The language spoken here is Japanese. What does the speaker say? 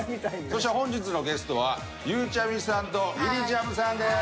そして本日のゲストはゆうちゃみさんとみりちゃむさんです。